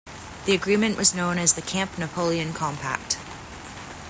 The agreement was known as the Camp Napoleon Compact.